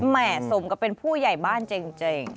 แหม่สมกับเป็นผู้ใหญ่บ้านเจ๋ง